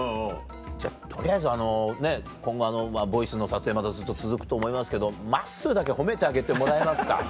じゃあ取りあえずあの今後『ボイス』の撮影まだずっと続くと思いますけどまっすーだけ褒めてあげてもらえますか。